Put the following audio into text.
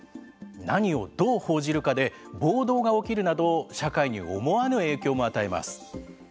何をどう報じるかで暴動が起きるなど社会に思わぬ影響も与えます。